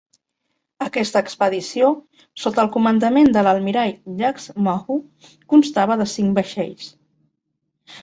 Aquesta expedició, sota el comandament de l'almirall Jacques Mahu, constava de cinc vaixells.